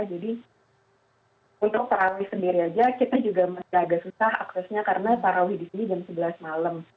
jadi untuk parawi sendiri aja kita juga masih agak susah aksesnya karena parawi di sini jam sebelas malam